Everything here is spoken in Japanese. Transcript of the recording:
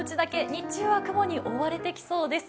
日中は雲に覆われてきそうです。